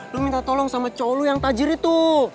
lu minta tolong sama cowok lu yang tajir itu